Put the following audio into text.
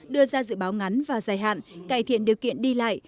đưa ra dự báo ngắn và dài hạn cải thiện điều kiện đi lại